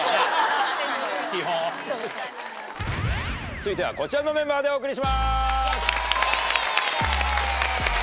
続いてはこちらのメンバーでお送りします。